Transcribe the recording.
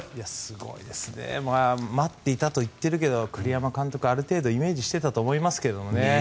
待っていたと言っているけど栗山監督はある程度、イメージしていたと思いますけどね。